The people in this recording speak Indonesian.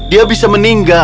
dia bisa meninggal